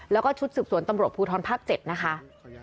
แล้วก็ชุดสืบสวนตำรวจภูทรภาค๗นะคะ